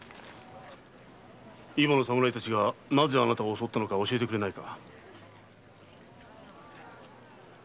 今の侍たちがなぜあなたを襲ったのか教えてくれないか。